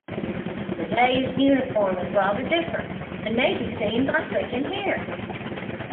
Today's uniform is rather different and may be seen by clicking here.